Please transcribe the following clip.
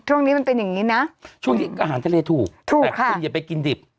มันเป็นอย่างนี้นะช่วงนี้อาหารทะเลถูกถูกแต่คุณอย่าไปกินดิบ